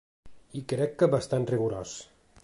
I crec que bastant rigorós.